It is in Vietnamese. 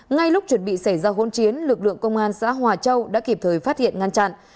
ngay lúc chuẩn bị xảy ra hỗn chiến lực lượng công an xã hòa châu đã kịp thời phát hiện ngăn chặn